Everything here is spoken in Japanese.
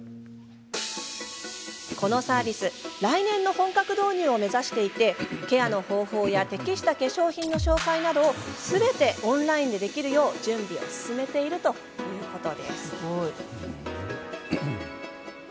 このサービス来年の本格導入を目指していてケアの方法や適した化粧品の紹介などをすべてオンラインでできるよう準備を進めているということです。